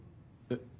えっ？